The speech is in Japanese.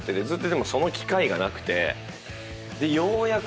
ずっとでもその機会がなくて。